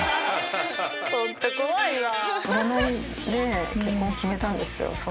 ホント怖いわ。